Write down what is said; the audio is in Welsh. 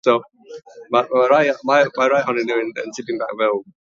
Yn blentyn rhagaeddfed, edrychwyd arno fel rhyfeddod ysgolheigaidd.